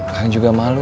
kang juga malu